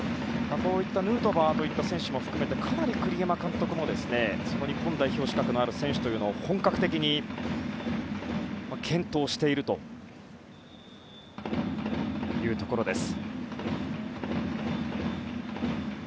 こういったヌートバーといった選手も含めてかなり、栗山監督も日本代表資格のある選手を本格的に検討しているというところです。